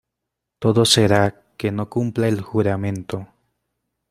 todo será que no cumpla el juramento.